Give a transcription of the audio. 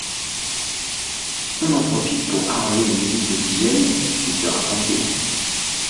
On en profite pour arranger une visite de l’hygiène, tu seras tranquille